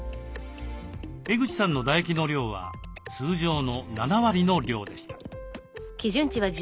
江口さんの唾液の量は通常の７割の量でした。